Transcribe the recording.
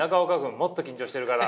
もっと緊張してるから。